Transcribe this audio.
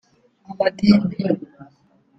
amadini